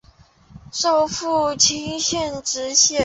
授福清县知县。